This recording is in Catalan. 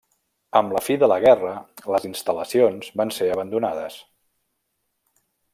Amb la fi de la guerra, les instal·lacions van ser abandonades.